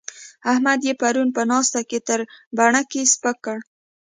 احمد يې پرون په ناسته کې تر بڼکې سپک کړ.